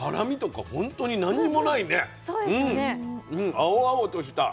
青々とした。